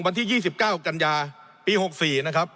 วันที่ยี่สิบเก้ากันยาปีหกสี่นะครับ